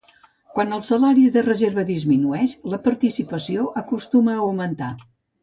Quan el salari de reserva disminueix, la participació acostuma a augmentar.